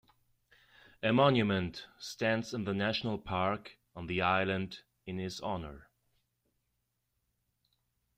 A monument stands in the national park on the island in his honour.